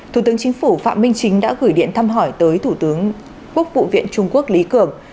thủ tướng chính phủ phạm minh chính đã gửi điện thăm hỏi tới thủ tướng quốc vụ viện trung quốc lý cường